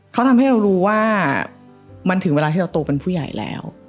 เขาทำให้เรารู้ว่ามันถึงเวลาที่เราโตเป็นผู้ใหญ่แล้ว